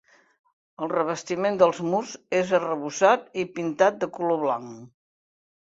El revestiment dels murs és arrebossat i pintat de color blanc.